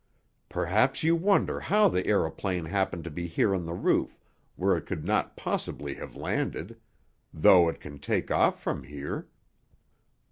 Perhaps you wonder how the aëroplane happened to be here on the roof, where it could not possibly have landed, though it can take off from here.